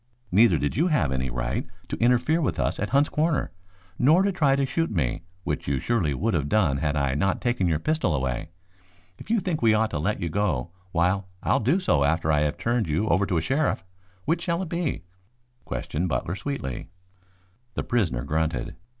Neither did you have any right to interfere with us at Hunt's Corners, nor to try to shoot me, which you surely would have done had I not taken your pistol away. If you think we ought to let you go, why I'll do so after I have turned you over to a sheriff. Which shall it be?" questioned Butler sweetly. The prisoner grunted.